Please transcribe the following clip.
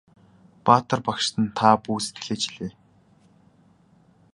Баатар багштан та бүү сэтгэлээ чилээ!